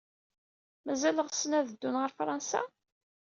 Mazal ɣsen ad ddun ɣer Fṛansa?